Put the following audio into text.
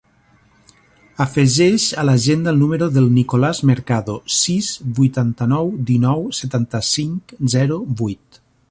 Afegeix a l'agenda el número del Nicolàs Mercado: sis, vuitanta-nou, dinou, setanta-cinc, zero, vuit.